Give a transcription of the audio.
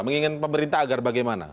menginginkan pemerintah agar bagaimana